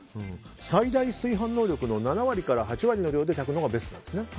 最大炊飯量の７割から８割の量で炊くのがベストなんですね。